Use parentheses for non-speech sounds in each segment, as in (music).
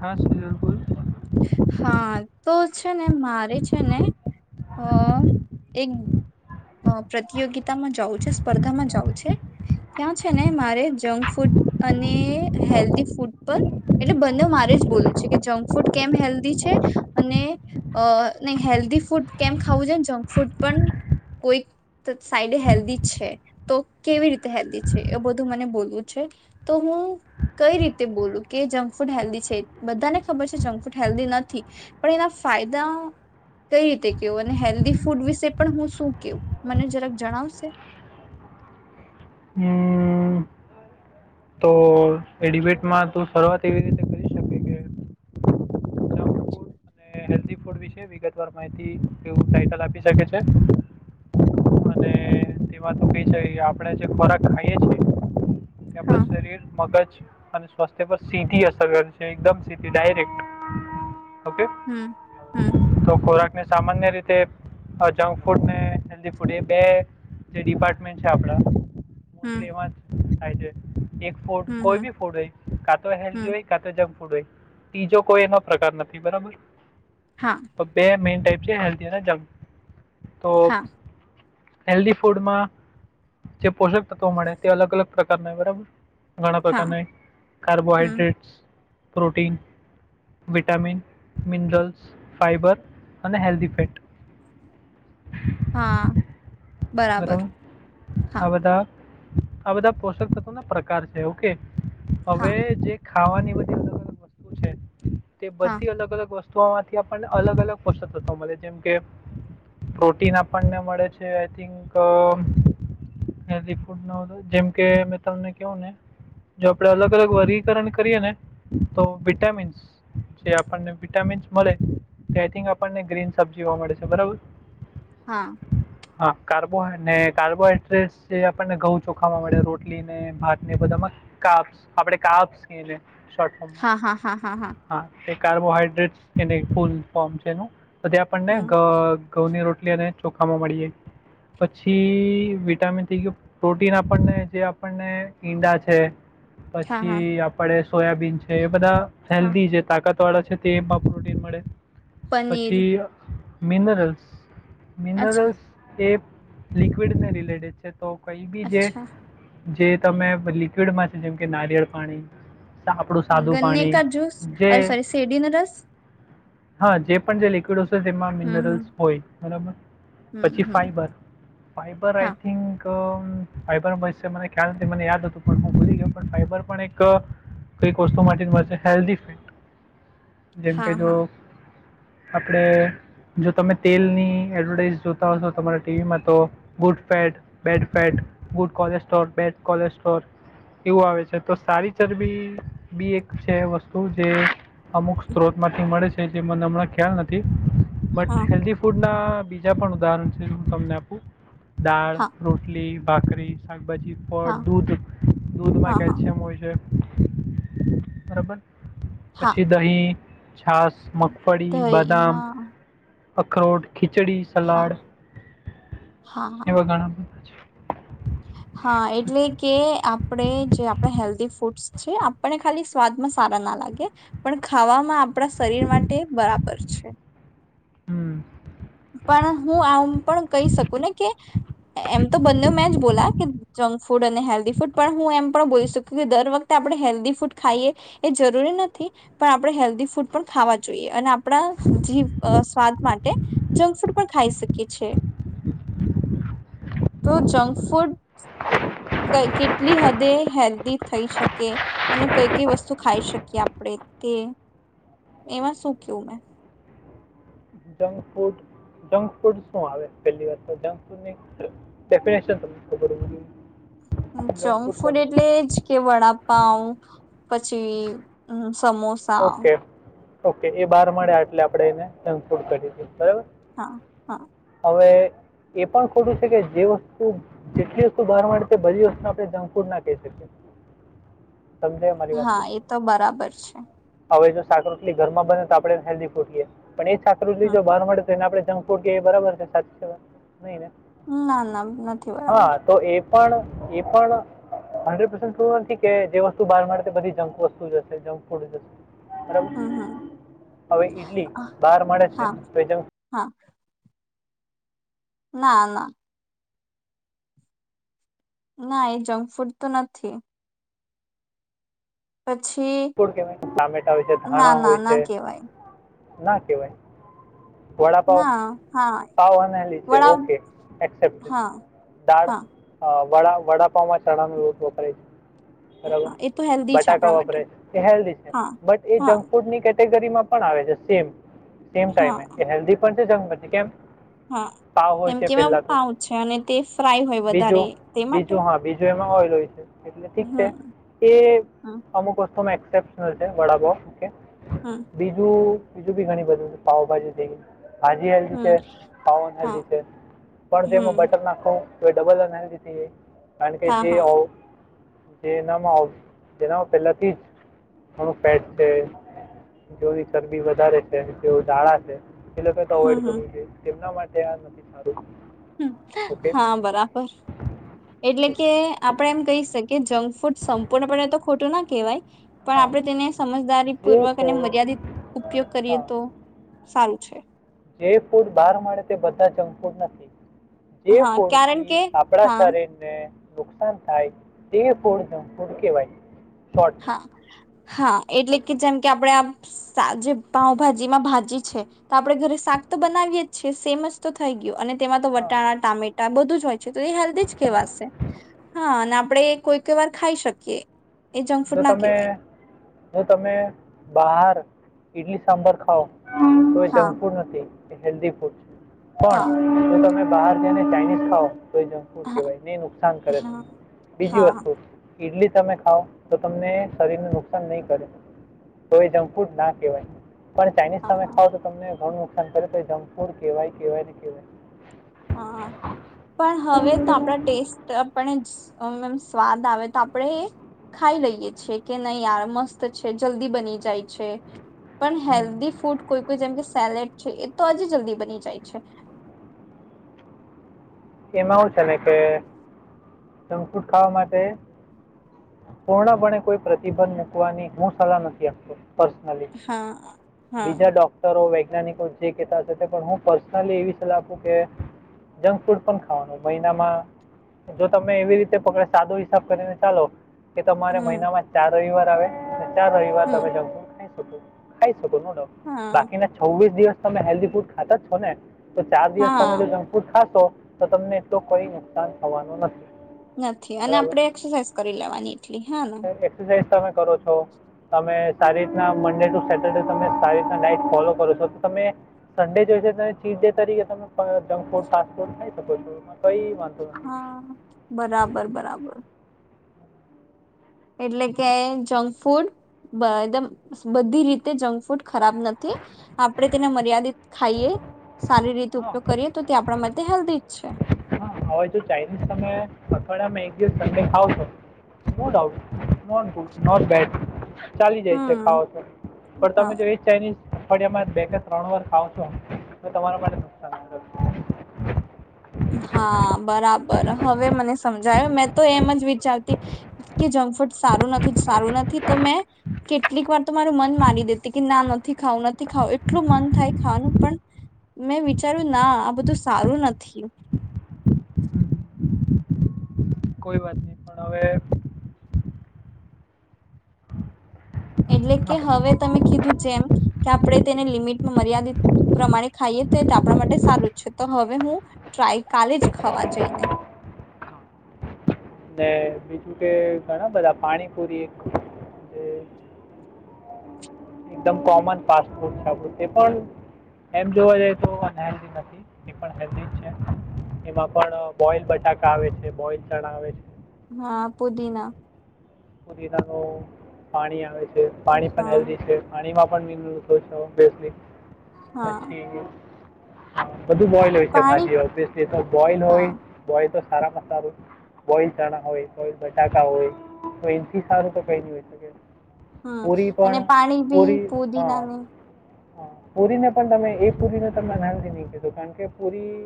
હાાસયરપુલ (unintelligible) હા તો છે ને મારે છે ને અ એક પ્રતિયોગિતામાં જવું છે સ્પર્ધામાં જવું છે, ત્યાં છે ને મારે જંક ફૂડ અને હેલ્ધી ફૂડ પર એટલે બંને મારે જ બોલું છે કે જંક ફૂડ કેમ હેલ્ધી છે, અને હેલ્ધી ફૂડ કેમ ખાવું છે જંક ફૂડ પણ કોઈ સાઈડ હેલ્ધી છે તો કેવી રીતે હેલ્ધી છે એવું બધું મને બોલવું છે, તો હું કઈ રીતે બોલું કે જંક ફૂડ હેલ્ધી છે બધાને ખબર છે જંક ફૂડ હેલ્ધી નથી, પણ એના ફાયદા કઈ રીતે કેવું અને હેલ્ધી ફૂડ વિશે પણ હું શું કેવું, મને જરાક જણાવશે? હમ તો એ ડિબેટમાં તું શરૂઆત એવી રીતે કરી શકી હેલ્ધ ફૂડ વિશે વિગતવાર માહિતી એવું ટઇટલ આપી શકે છે, અને તેમાં તો કહી છેાય આપણે જે ખોરાક ખાઈએ છેએ. તેમ હા શરીર, મગજ અને સ્વાસ્થ્ય પર સીધી અસર કરે છે એકદમ સીધી ડાયરેક્ટ, ઓકે. હમ હમ. તો ખોરાકને સામાન્ય રીતે જંક ફૂડ ને હેલ્ધ ફૂડ એ બે, જે ડિપાર્ટમેન્ટ છે આપણા. હમ મ એમાં જ થાય છે. એક ફૂડ હમ કોઈ હમ બી ફૂડ હોય, કાતો હેલ્દી હમ હોય કાતો જમ તીજો કોઈ એનો પ્રકાર નથી બરાબર. હા બે મેન (unintelligible) તો હા હેલ્દી ફૂડમાં, જે પોષક તત્વો મળે તે અલગ અલગ પ્રકારના હોય બરાબર. ઘણા હા પ્રકારનાં હમ carbohydrates protein, vitamin, mineral. Fibre અને હેલ્દી ફેટ. હા બરાબર હા આ બધા આ બધાં પોષક તત્વનાં પ્રકાર છે ઓકે હા હવે જે ખાવાની બધી અલગ અલગ વસ્તુ છે. તે હા બધી અલગ અલગ વસ થી આપને અલગ અલગ પોષક તત્ત્વો મળે જેમકે પ્રોટીન આપણને મળે છે આઈથિંગ જેમકે મે તમને કેવુંને જો આપણે અલગ અલગ વર્ગીકરણ કરીએ ને તો વિટામીન્સ જે આપણને વિટામીન્સ મલે આઈથિંગ આપણને ગ્રીન સબજી જોવા મળે છે બરાબર હા હા કાર્બો અને કાર્બોહાઈડ્રેટ જે આપણને ઘઉં ચોખામાં મળે રોટલીને ભાતને બધામાં કાપ આપણે કાપસને હા હા હા હા હા કારબોહાઈડ (unintelligible) ફૂલ ફોર્મ છે એનુ ત્યાં આપણને હમ ધ ધઉંની રોટ તેને ચોખામાં મળી જાય પછી વિટામીન થેય ગિયું પ્રોટીન આપણને જે આપણને ઈંડા છે. હા હા પછી આપડે સોયાબીન છે એ બધાં હા હેલ્દી છે તાકત (unintelligible) છે. તેમાં પ્રોટીન મળે પનીર પછી અ મિનરલ્સ અચ્છા મિનરલ્સ એ લિક્વિડને રિલેટેડ છે તો કઈબી જે અચ્છા જે તમે લિક્વિડમાં છે જેમ કે નારિયેળ પાણી સા- આપણું સાદું ગન્ને પાણી કા જૂસ જે અરે સોરી શેરડીનો રસ હા જે પણ જે લિક્વિડ તેમાં હમ મિનરલ્સ હમ હોય બરાબર હમ પછી હમ ફાઈબર ફાઈબર આઈ હા થિંક ફાબર મળશે મને ખ્યાલ નથી મને યાદ હતું પણ હું ભૂલી ગયો પણ ફાઈબર પણ એક કઈક વસ્તુ માટે મળશે હેલ્ધ જેમ કે હા જો હા આપણે જો તમે તેલની એડવર્ટાઈઝ જોતા હોશો તમારા ટીવીમાં તો good fat bad fat good cholesterol bad cholesterol એવું આવે છે તો સારી ચરબી બી એક છે વસ્તુ જે અમુક સ્ત્રોત માંથી મળે છે જે મને હમણાં ખ્યાલ નથી બટ હા હેલ્ધી ફૂડ બીજા પણ ઉદાહરણ. હું તમને આપું દાળ હા રોટલી. બાકરી. પછી હા ફળ દૂધ દૂધમાં હા હા કેલ્શિયમ હોય છે. બરાબર. હા પછી દહીં. છાસ મગફળી દહી બાદામ. હા અખરોટ. ખીચડી હા સલાડ હા હા એવા ઘણા બધા છે. હા એટલે કે આપડે જે આપણે હેલ્ધ ફૂડ ફૂડ છે આપને ખાલી સ્વાદમાં સારા ના લાગે પણ ખાવામાં આપણા શરીર માટે બરાબર છે. હમ. પણ હું આમ પણ કહી શકું ને કે. એમ તો બંને મેચ બોલા કે. જંક ફૂડ અને હેલ્ધી ફૂડ પણ હું એમ પણ બોલી શક કે દર વખતે આપણે હેલ્ધી ફૂડ ખાઈએ એ જરૂરી નથી પણ આપણે હેલ્ધી ફૂડ પણ ખાવા જોઈએ અને આપણા જીવ સ્વાદ માટે. જંક ફૂડ પણ ખાઈ શકી છે તો જંક ફૂડ કેટલી હદે હેલ્ધી થઈ શકે અને કઈ કઈ વસ્તુ ખાઈ શકીએ આપણે તે એમાં શું કેવું મેં. જક ફૂડ જક ફૂડ શું આવે પેલી વાર તો જંક ફૂડની ડેફિનેશન તમને ખબર હો જો. જંક ફૂડ એટલે જ કે વડાપઉ. પછી હમ. સમોસા. કે એ બહાર મળ્યા એટલે આપડે એને. ત ફડ ક બરાબર. હા હા. હવે એ પણ ખોટું છે કે જે વસ્તુ જેટલી વસ્તુ બહાર માંડે છે બધી વસ્તુ આપણે જંક ફૂડ ના કહી શકીએ. સમજાય મારી વાત હા એ તો બરાબર છે.. હવે જો સાક રોટલી ઘરમાં બને તો આપણે હેલ્ધી ફૂટીએ. પણ એ છાત્રૃ્રી હમ જો બહાર મળે. ને આપણે જંક ફૂડ કે બરાબર છે સાચ સવાય. ના ના નથી બરાબર. હા તો એ પણ એ પણ હન્ડ્રેડ પર્સન્ટ થૂરું નથી કે જે વસ્તુ બહાર મળડે તે બધી જંક વસ્તુ જશે જંક ફૂડ જશે. બ હમ હમ હવે ઈડલી બહાર મળે છે હા તો જ. હા ના ના. ના એ જંકફૂડ તો નથી. (inaudible) કેય ટામેટા હોય છે ના ધાણા ના હોય છે. ના કેવાય ના કેવાય વડાપાવ ના હા પાવ હનાલી છે વડા ઓકે એક્સેપ્ટ હા દાળ હા અ વડા વડાપાવમાં ચણાનુ રોટલો કરીશ હા એ તો હેલ્ધી છે આપણા માટે વપરાય છે હેલ્ધી છે હા બટ એ હા જંકફૂડની ક કેટેગરીમાં પણ આવે છે સેમ સેમ ટાઈમે હા એ હેલ્દી પણ એ જંગ હતી કેમ હા પાવ હોય કેમ કે છે એમાં પહેલાં તો પાઉ છે અને તે ફ્રાય હોય વધારે બીજું તે માટે બીજું હા બીજું એમાં ઓઇલ હોય છે. એટલે ઠીક હમ છે એ હમ અમુક વસ અમે એક્સેપ્શનલ છે વડા પાવ ઓકે હમ બીજું બીજું બી ઘણી બધું પાાવભાજી થઈ ગય. ભાજી હેલ્ધી છે હમ ખાવનું હા હેલ્ધી છે પણ જેમા હમ બટર નાખું તો ડબલ અના લીધે કારણ કે હા જે હા આવ જે એનામાં જેનામાં પેલાથી જ ઘણું પેટ છે જોવી ચરબી વધારે છે જોવ જાળ છે. એ લોકો તો હમ અવોઈડ હમ કરવું જોઈએ એના માટે ત્યા નથી થતો. હા બરાબર એટલે કે આપડે એમ કહી શકીએ જંક ફૂડ સંપૂર્ણપણે તો ખોટું ના કહેવાય પણ હા આપણે તેને સમજદારી જે પૂર્વક અને મર્યાદિત ફૂડ ઉપયોગ કરીએ હા તો સારું છે. જે ફૂડ બહાર મળે તે બધા જંકફૂડ નથી. જે હા કારણ કે ફુડથી આપણા હા શરીરને નુકસાન થાય તે ફુડ જંકફુડ કેવાય. હા હા એટલે કે ઓકે જેમ કે આપણે આમ સા જે પાઉભાજીમાં ભાજી છે તો આપણે ઘરે શાક તો બનાવીએ જ છીએ સેમ જ તો થઈ ગયું અને તેમાં તો હા વટાણા ટામેટ ટા બધું જ હોય. છે તો એ હેલ્ધી જ હા કેવાશે હા અને આપ આપણેે કોઈ કોઈ વાર ખાઈ શકીએ. એ જંક જો ફૂડ ના તમે, કહેવાય જો તમે બહાર ઇડલી સાંભર ખાઓ, તો એ હા જંક ફૂડ નથી. એ હેલ્ધી ફૂડ છે. હા પણ જો તમે બહાર જઈને ચાઇનીઝ ખાઓ તો એ જંકફૂડ હા કેવાય ને નુકસાન કરે. હા બીજી હા વસ્તુ ઇડલી તમે ખાઓ? તો તમને શરીરને નુકસાન નહી કરે, તો એ જંક ફૂડ ના કહેવાય. પણ ચાઇનીઝ તમે હા ખાાવ તો તમને ઘણું નુકસાન કરે તો એ જંક ફૂડ કેવાય કેવાય ને કેવાય. હા પણ હવે તો આપણા ટેસ્ટ આપણે અ સ્વાદ આવે તો આપણે એ ખાઈ લઈએ છીએ. કે નહી યાર મસ્ત છે, જલ્દી બની જાય છે. પણ હેલ્ધી ફૂડ કોઈ કોઈ જેમ કે સેલેડ છે. એ તો હજી જલ્દી બની જાય છે. એમાં હું છે ને, કે જંકફુડ ખાવા માટે પૂંર્ણપણે કોઈ પ્રતિબંધ મૂકવાની હું સલાહ નથી આપતો. પર્સનલી હા હા બીજા ડોક્ટરો, વૈ વૈજ્ઞાનિકો જે કહેતા હોય, તે પણ હું પર્સનલી એવી સલાહ આપું કે જંકફૂડ પન ખાવાનું. મહિનામાં જો તમે એવી રીતે પકડો એવો સાદો હિસાબ કરીને ચાલો કે તમારે હમ મહિનામાં ચાર રવિવાર આવે ચાર રવિવાર હમ તમે જંકફૂડ ખાઈ ખાઈ શકો નો ડાઉટ, હા બાકીના છવ્વીસ દિવસ તમે હેલ્ધી ફૂડ ખાતા જ છો ને? તો ચાર દિવસ તમે હા જો જંકફૂડ ખાશો તો તમને એટલું કોઈ નુકસાન થવાનું નથી. નથી અને બરાબર આપડે એક્સરસાઇઝ કરી લેવાની એટલી, હા ને? એક્સરસાઇઝ તમે કરો છો તમે સારી રીતના મન્ડે ટુ સેટરડે તમે સારી રીતના ડાઇટ ફોલો કરો છો, તો તમે સન્ડે જોઈ છે તમે ચીજ ડે તરીકે તમે જંક ફૂડ, ફાસ્ટ ફૂડ કઈ વાત હા બરાબર! બરાબર એટલે કે જંક ફૂડ એકદમ બધી રીતે જંક ફૂડ ખરાબ નથી આપણે તેને મર્યાદિત ખાઈએ સારી રીતે હા ઉપયોગ કરીએ તો, તે આપણા માટે હેલ્ધી જ છે. હા હવે તો, ચાઇનીઝ તમે અઠવાડિયામાં એક દિવસ સન્ડે ખાવ છો, no doubt, not good, not bad. ચાલી જાય છે હમ ખાવો તો પણ હા તમે જો એ જ ચાઇનીઝ અઠડિયામાં બે કે ત્રણ વાર ખાવ છો તો તમારા માટે નુકસાન હા બરાબર હવે મને સમજાયો મેં તો એમ જ વિચારતી કે જંક ફૂડ સારું નથી સારું નથી તો મેં કેટલીક વાર તો મારું મન મારી દેતી કે ના નથી ખાવું નથી ખાવું એટલું મન થાય ખાવાનું પણ મેં વિચાર્યું ના આ બધું સારું નથી કોઈ વાત નહી પણ હવે એટલે કે હવે તમે કીધું જેમ કે આપણે તેને લિમિટમાં મર્યાદિત પ્રમાણે ખાઈએ તો એ આપણા માટે સારું છે તો હવે હું ટ્રાય કાલે જ ખાવા જઈને અને બીજું કે ઘણા બધા પાણીપુરી જે એકદમ કોમન ફાસ્ટ ફૂડ છેું એ પણ એમ જોવા જઈએ તો અનહેલ્ધ નથી એ પણ હેલ્ધી જ છે એમાં પણ બોઇલ બટાકા આવે છે બોઇલ ચણા આવે છે હા પુદીના કોનાનો પાણી આવે છે પાણી પણ હા હલ્ છે પાણીમાં પણ બે હા પછી બધું બોઇલ હોય છે પાણી ભાજી ઓબ્િયસલી તો બોઇલ હોય હા બોલ તો સારા મસારો બોઇલ ચણા હોય બલ બટાકા હોય તો એથી સારું તો કઈ ન હોય શકે હમ પૂરી અને પણ પાણી ભી પોોદી નાની હ પુરીને પણ તમે એ પુરીને તમેંદથી નહી કધો કારણ કે પુરી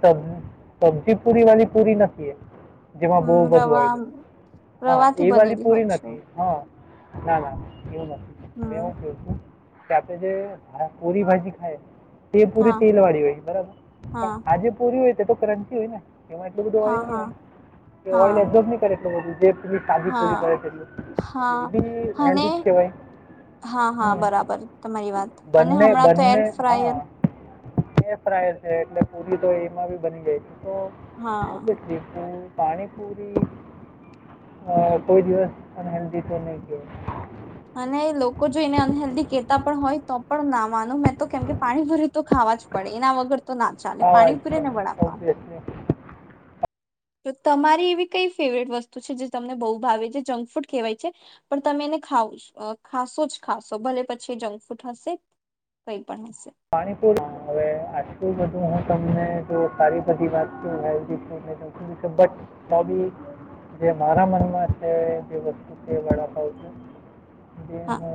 સબજી પુરી વાળી પુરી નથી એ જેમાં બહુ હમ બધું રવા આવેય છેું હા રવાથી એ વાળલી બનેલી હોય પૂરી છે નથી હા નાા ના એવું નથી મેં હમ એવું ક છું કે આપે જે પુરી ભાજી ખાય તે પૂરી હા તેલ વાળી હોય છે બરાબર હા પણ આજે પૂરી હોય તે તો કરંસી હોય ને એમાં એટલું બધું હા ઓઈલ નહી હા હોય કે હા ઓઇલ જ કરે (inaudible) તા પોરી કરે છે હા એટ એટલે એ હા બી હેલ્ધ અને જ કેવાય હા હા હમ બરાબર તમારી વાત અને બને હમણાં તો એર બંને હા ફ્રાયર બે ફ્રાય છે એટલે પુરી તો એમાં બી બની જાય છે. તો હા હ (inaudible) પાણીપુરી હ કોઈ દિવસ અનહેેલ્ધી તો નહીં કે અને લોકો જો એને અનહેલ્ધી કેતા પણ હોય તો પણ નામ ખવાનું મેં તો કેમ કે પાણી ભૂરે્યું તો ખાવા જ પડે એના વગર તો ના ચાલે ખાવા પાણી જ પૂરે ને પણ વડાપાવ. ઓબ્વિયસલી તો તમારી એવી કઈ ફેવરેટ વસ્તુ છે જે તમને બહુ ભાવે છે જંક ફૂડ કહેવાય છે પણ તમે એને ખાવ ખાશો જ ખાશો ભલે પછી જંક ફૂડ હશે કઈ પણ હશે પાણીપુર હવે આટલુ બધું હ તમને તો સારી બધી વાત કે હેલ્ધી ફૂડ જરૂરી છે બટ પણ તો બીજે મારા મનમાં છે જે વસ્તુ વડાપાવ છે. જે હા હ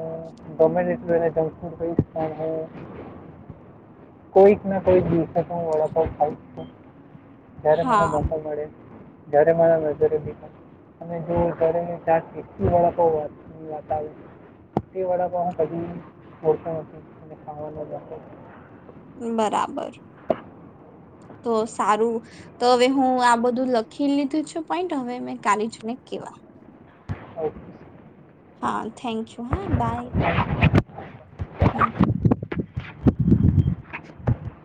દોમે દ મેરા જંક ફુડ ક સ્થાન હૈ કોઈક ના કોઈક દિવસે તો હુ વડાપાઉં ખાઉજ છું. ત્યારે મને હા મોકો મળે. જ્યારે મારા નજરે જો જ્યારે વડાપાવ તેળ (inaudible) કો હ કતો નથી ખાવા બરાબર. તો સારું તો હવે હું આ બધું લખી લીધું છું પોઈન્ટ હવે મેં કાલીજ ને કેવા ઓકે. હા થેન્ક યુ હા બાય હમ.